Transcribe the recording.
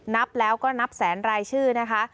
นับแล้วก็นับแสนรายชื่อนะคะ